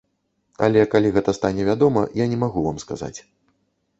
Але калі гэта стане вядома, я не магу вам сказаць.